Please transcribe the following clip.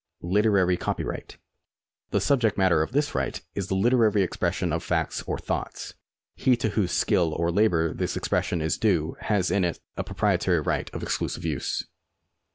Literary copyright. The subject matter of this right is the literary expression of facts or thoughts. He to whose skill or labour this expression is due has in it a proprietary right of exclusive use.